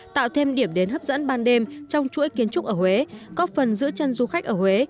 tạo thêm điểm đến hấp dẫn ban đêm trong chuỗi kiến trúc ở huế có phần giữ chân du khách ở huế